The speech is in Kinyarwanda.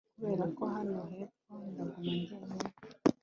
kuberako hano hepfo ndaguma jyenyine